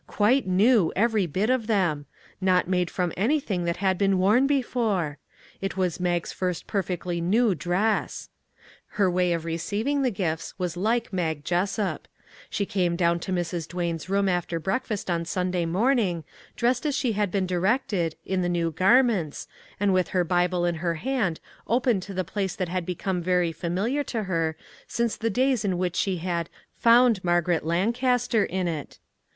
Quite new, every bit of them; not made from anything that had been worn before ! It was Mag's first perfectly new dress. Her way of receiving the gifts was like Mag Jessup. She came down to Mrs. Duane's room after breakfast on Sunday morn ing, dressed as she had been directed, in the new garments, and with her Bible in her hand open to the place that had become very familiar to her since the days in which she had " found Margaret Lancaster in it."